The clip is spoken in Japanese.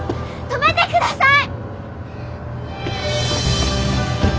止めてください。